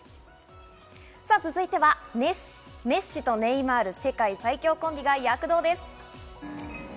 続いては、メッシとネイマール、世界最強コンビが躍動です。